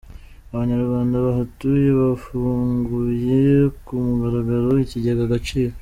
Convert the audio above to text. Abanyarwanda bahatuye bafunguye ku mugaragaro Ikigega Agaciro